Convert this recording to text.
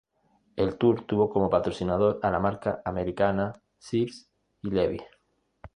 El Tour tuvo como patrocinador a la marca Americana, Sears, y Levi's.